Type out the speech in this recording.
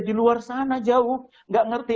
di luar sana jauh nggak ngerti